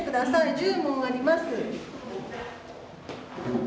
１０問あります。